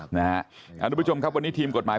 หนูผู้ชมครับทีมกฎหมาย